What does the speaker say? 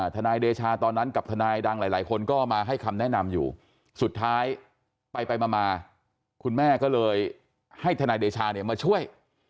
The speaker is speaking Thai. ทนายเดชาตอนนั้นกับทนายดังหลายคนก็มาให้คำแนะนำอยู่สุดท้ายไปมาคุณแม่ก็เลยให้ทนายเดชาเนี่ยมาช่วย